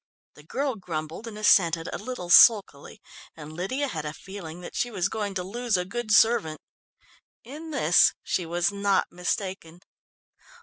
The girl grumbled and assented a little sulkily, and Lydia had a feeling that she was going to lose a good servant. In this she was not mistaken.